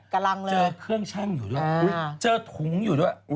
กำลังเลยเจอเครื่องชั่งอยู่ด้วยเจอถุงอยู่ด้วย